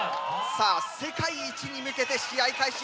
さあ世界一に向けて試合開始。